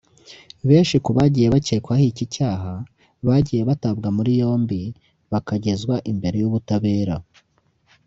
Benshi ku bagiye bakekwaho iki cyaha bagiye batabwa muri yombi bakagezwa imbere y’ubutabera